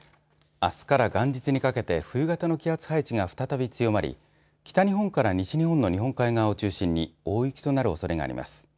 あすから元日にかけて冬型の気圧配置が再び強まり、北日本から西日本の日本海側を中心に大雪となるおそれがあります。